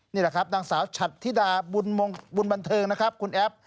นี่แหละครับนางสาวฉัตติดาบุญบันเทิงคุณแอ๊บ